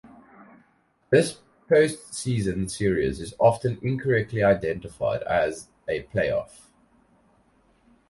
This postseason series is often incorrectly identified as a playoff.